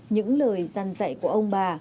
những lời dân dạy của ông bà